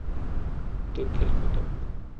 তোর খেল খতম!